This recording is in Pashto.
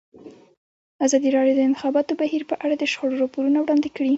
ازادي راډیو د د انتخاباتو بهیر په اړه د شخړو راپورونه وړاندې کړي.